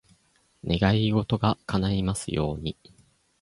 願い事が叶いますように。